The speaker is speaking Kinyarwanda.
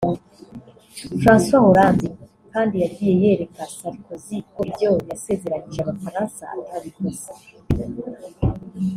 François Hollande kandi yagiye yereka Sarkozy ko ibyo yasezeranyije Abafaransa atabikoze